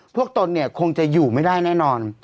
ตนเนี่ยคงจะอยู่ไม่ได้แน่นอน